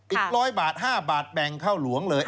อีก๑๐๐บาท๕บาทแบ่งเข้าหลวงเลย